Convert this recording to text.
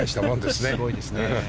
すごいですね。